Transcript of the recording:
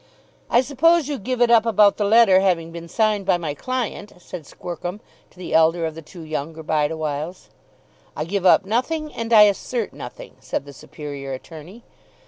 "I suppose you give it up about the letter having been signed by my client," said Squercum to the elder of the two younger Bideawhiles. "I give up nothing and I assert nothing," said the superior attorney.